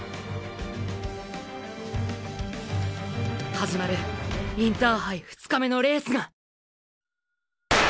始まるインターハイ２日目のレースが！！